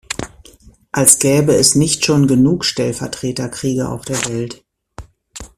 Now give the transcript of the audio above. Als gäbe es nicht schon genug Stellvertreterkriege auf der Welt.